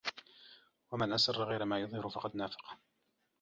وَمَنْ أَسَرَّ غَيْرَ مَا يُظْهِرُ فَقَدْ نَافَقَ